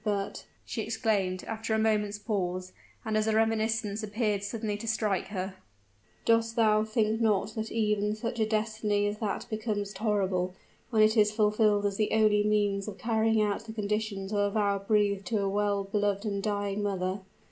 But," she exclaimed, after a moment's pause, and as a reminiscence appeared suddenly to strike her, "dost thou not think that even such a destiny as that becomes tolerable, when it is fulfilled as the only means of carrying out the conditions of a vow breathed to a well beloved and dying mother?